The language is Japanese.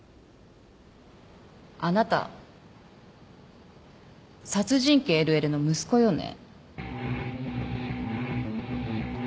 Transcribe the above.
あなた殺人鬼・ＬＬの息子よね？